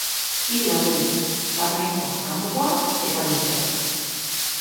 Hiru alde ditu: barnekoa, kanpokoa eta luzea.